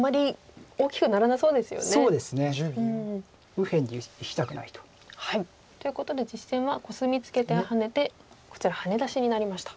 右辺にいきたくないと。ということで実戦はコスミツケてハネてこちらハネ出しになりました。